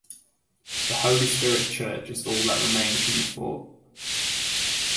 The Holy Spirit church is all that remains from the fort.